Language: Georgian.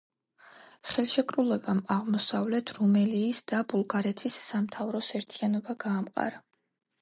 ხელშეკრულებამ აღმოსავლეთ რუმელიის და ბულგარეთის სამთავროს ერთიანობა გაამყარა.